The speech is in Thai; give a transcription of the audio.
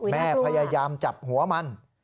แม่พยายามจับหัวมัน